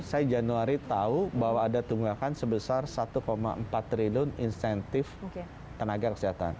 saya januari tahu bahwa ada tunggakan sebesar satu empat triliun insentif tenaga kesehatan